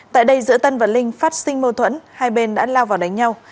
tại đây giữa tân và linh phát sinh mâu thuẫn hai bên đã lao vào đánh nhau